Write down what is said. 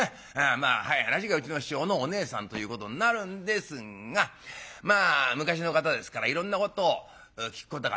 まあ早い話がうちの師匠のおねえさんということになるんですがまあ昔の方ですからいろんなことを聞くことができる。